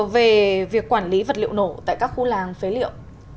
về việc quản lý vật liệu nổ tại các khu làng phế liệu